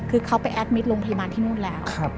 คือเขาไปแอดมิตรโรงพยาบาลที่นู่นแล้ว